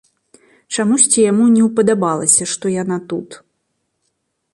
Чамусьці яму не ўпадабалася, што яна тут.